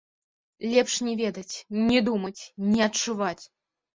Лепш не ведаць, не думаць, не адчуваць!